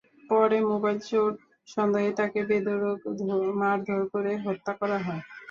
পরে মোবাইল চোর সন্দেহে তাকে বেধড়ক মারধর করে হত্যা করা হয়।